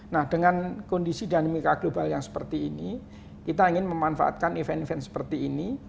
nah dengan kondisi dinamika global yang seperti ini kita ingin memanfaatkan event event seperti ini